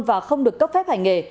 và không được cấp phép hành nghề